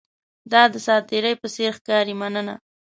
دا د ساتیرۍ په څیر ښکاري، مننه!